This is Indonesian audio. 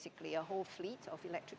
sejumlah bus elektrik